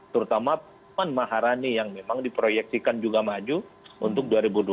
terutama puan maharani yang memang diproyeksikan juga maju untuk dua ribu dua puluh